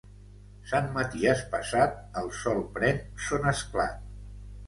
Sant Maties passat, el sol pren son esclat.